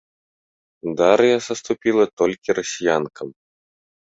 Дар'я саступіла толькі расіянкам.